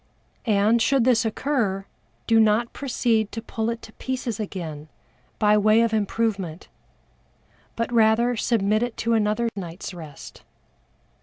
And should this occur, do not proceed to pull it to pieces again, by way of improvement, but rather submit it to another night's rest.